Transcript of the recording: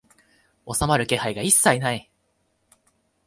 収まる気配が一切ない